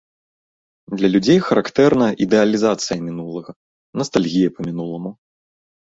Для людзей характэрна ідэалізацыя мінулага, настальгія па мінуламу.